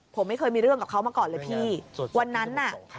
ผมไม่เคยมีเรื่องกับเขามาก่อนเลยพี่วันนั้นน่ะ